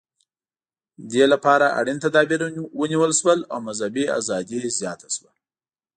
دې لپاره اړین تدابیر ونیول شول او مذهبي ازادي زیاته شوه.